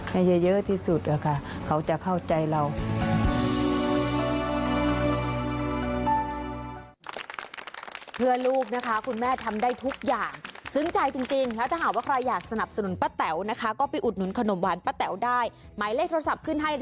ให้เยอะที่สุดนะคะเขาจะเข้าใจเรา